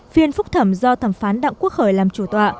phiên phúc thẩm do thẩm phán đảng quốc hời làm chủ tọa